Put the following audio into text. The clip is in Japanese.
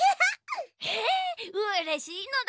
えうれしいのだ。